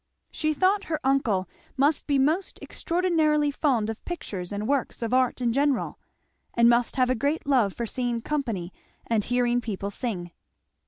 She thought her uncle must be most extraordinarily fond of pictures and works of art in general, and must have a great love for seeing company and hearing people sing.